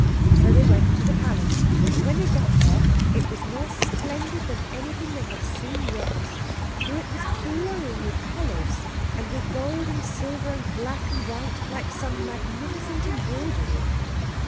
So they went to the palace, and when they got there it was more splendid than anything they had seen yet. For it was glowing with colours, and with gold and silver and black and white—like some magnificent embroidery.